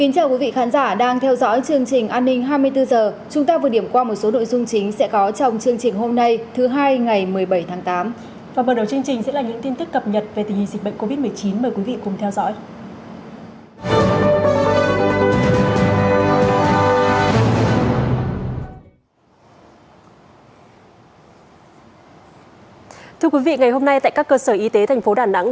chào mừng quý vị đến với bộ phim hãy nhớ like share và đăng ký kênh của chúng mình nhé